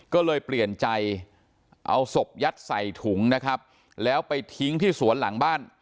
ก็เลยเปลี่ยนใจเอาศพยัดใส่ถุงนะครับแล้วไปทิ้งที่สวนหลังบ้าน